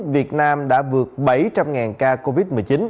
việt nam đã vượt bảy trăm linh ca covid một mươi chín